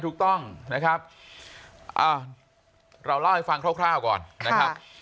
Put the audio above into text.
ถูกต้องนะครับเราเล่าให้ฟังคร่าวก่อนนะครับ